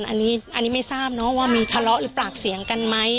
อันนี้ไม่ทราบเนอะว่ามีทะเลาะหรือปากเสียงกันไหม